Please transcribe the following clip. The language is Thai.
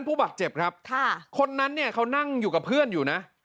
ผู้บาดเจ็บครับค่ะคนนั้นเนี่ยเขานั่งอยู่กับเพื่อนอยู่นะ